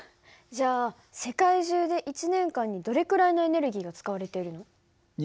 じゃあ世界中で１年間にどれくらいのエネルギーが使われているの？